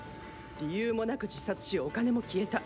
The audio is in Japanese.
理由もなく自殺しお金も消えた。